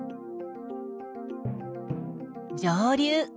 上流。